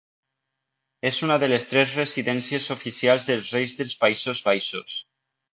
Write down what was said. És una de les tres residències oficials dels Reis dels Països Baixos.